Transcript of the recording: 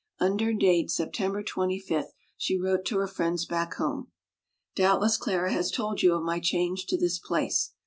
Under date September 25 she wrote to her friends back home: "Doubtless Clara has told you of my change to this place.